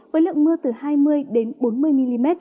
với lượng mưa từ hai mươi bốn mươi mm